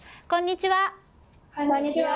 こんにちは